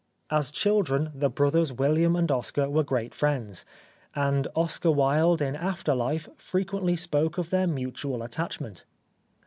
As children the brothers Wilham and Oscar were great friends ; and Oscar Wilde in after life frequently spoke of their mutual attachment.